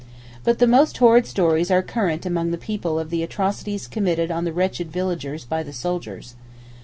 But the most horrid stories are current among the people of the atrocities committed on the wretched villagers by the soldiers.